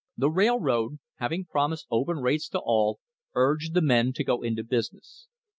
The railroad, having promised open rates to all, urged the men to go into business.